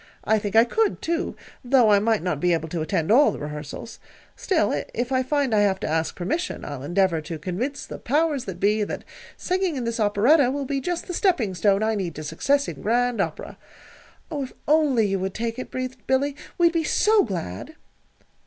"I think I could, too, though I might not be able to attend all the rehearsals. Still, if I find I have to ask permission, I'll endeavor to convince the powers that be that singing in this operetta will be just the stepping stone I need to success in Grand Opera." "Oh, if you only would take it," breathed Billy, "we'd be so glad!"